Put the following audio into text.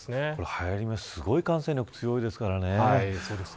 はやり目、すごい感染力強いですからね。